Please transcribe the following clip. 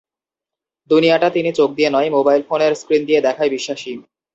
দুনিয়াটা তিনি চোখ দিয়ে নয়, মোবাইল ফোনের স্ক্রিন দিয়ে দেখায় বিশ্বাসী।